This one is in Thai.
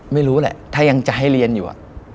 ไม่รู้แหละถ้ายังจะให้เรียนอยู่